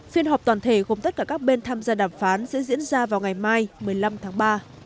phiên họp toàn thể gồm tất cả các bên tham gia đàm phán sẽ diễn ra vào ngày mai một mươi năm tháng ba